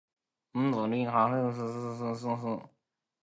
落雨收衫啦